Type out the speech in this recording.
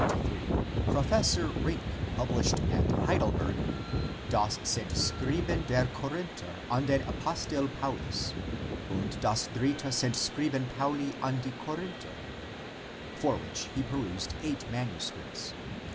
In 1823 Prof. Rinck published at Heidelberg : das Send schreiben der Korinther an den Apostel Paulus und das dritte Sendschreiben Pauli an die Korinther, for which he perused eight manuscripts.